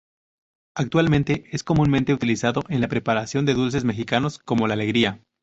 Actualmente es comúnmente utilizado en la preparación de dulces mexicanos, como la alegría.